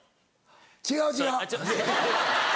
違う違う。